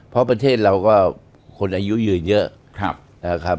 เพราะประเทศเราก็คนอายุยืนเยอะนะครับ